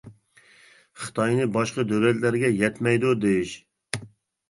خىتاينى باشقا دۆلەتلەرگە يەتمەيدۇ دېيىش .